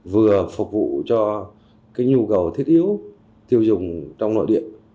vừa phục vụ cho nhu cầu thiết yếu tiêu dùng trong nội địa